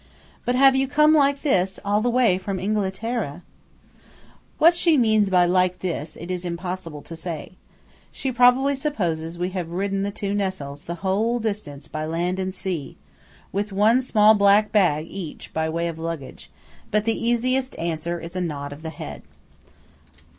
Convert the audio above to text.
"But have you come like this all the way from Inghilterra?" What she means by "like this," it is impossible to say. She probably supposes we have ridden the two Nessols the whole distance by land and sea, with one small black bag each by way of luggage; but the easiest answer is a nod of the head.